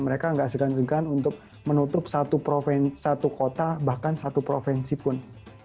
mereka nggak segan segan untuk menutup satu kota bahkan satu provinsi pun